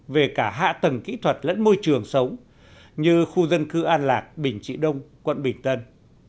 về cả hạ tầng kỹ thuật lẫn môi trường sống như khu dân cư an lạc bình trị đông quận bình tân